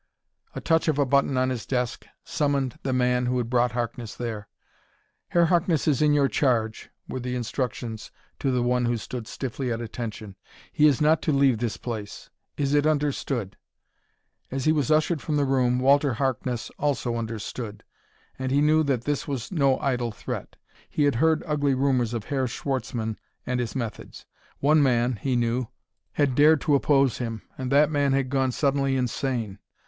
A touch of a button on his desk summoned the man who had brought Harkness there. "Herr Harkness is in your charge," were the instructions to the one who stood stiffly at attention. "He is not to leave this place. Is it understood?" As he was ushered from the room, Walter Harkness also understood, and he knew that this was no idle threat. He had heard ugly rumors of Herr Schwartzmann and his methods. One man, he knew, had dared to oppose him and that man had gone suddenly insane.